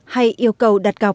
hay yêu cầu đặt cọc